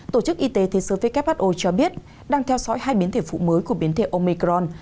tổ chức y tế thế giới who cho biết đang theo dõi hai biến thể phụ mới của biến thể omicron